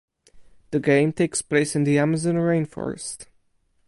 The game takes place in the Amazon rainforest.